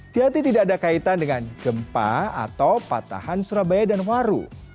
jati tidak ada kaitan dengan gempa atau patahan surabaya dan waru